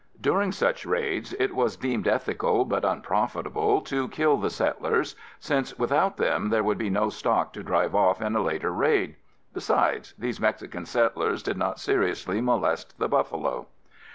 During such raids it was deemed ethical but unprofitable to kill the settlers, since without them there would be no stock to drive off in a later raid. Besides, these Mexican settlers did not seriously molest the buffalo.